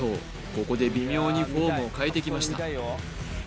ここで微妙にフォームを変えてきました